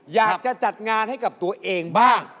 อยากจะจัดงานให้กับตัวเองบ้าง